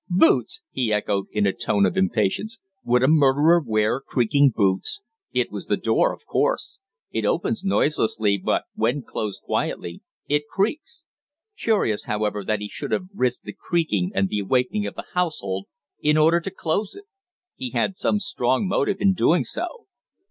"Boots!" he echoed in a tone of impatience. "Would a murderer wear creaking boots? It was the door, of course. It opens noiselessly, but when closed quietly it creaks. Curious, however, that he should have risked the creaking and the awakening of the household in order to close it. He had some strong motive in doing so."